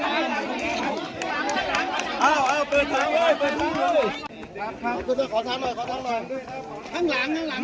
อ้าวอ้าวเปิดทางเลยเปิดทางเลยขอทางหน่อยขอทางหน่อย